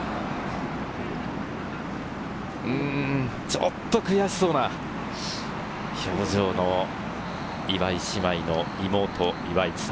ちょっと悔しそうな表情の岩井姉妹の妹・岩井千怜。